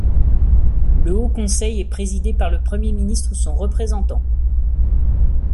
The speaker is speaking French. Le Haut Conseil est présidé par le Premier ministre ou son représentant.